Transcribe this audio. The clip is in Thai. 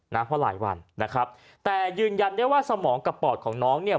เพราะหลายวันนะครับแต่ยืนยันได้ว่าสมองกับปอดของน้องเนี่ย